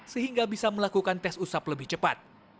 sehingga bisa melakukan tes usap lebih cepat